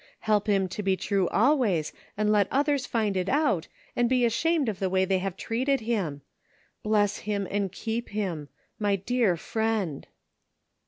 Help him to be true always and let others find it otut and be ashamed of the way they have treated him. Bless him, and keep him — ^my dear friend